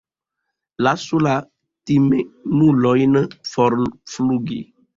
Lasu la timemulojn forflugi.